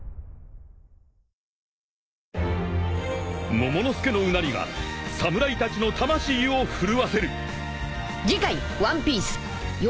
［モモの助のうなりが侍たちの魂を震わせる］